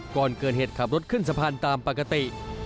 ก่อนเกิดเหตุขับรถขึ้นสะพานตามปกติ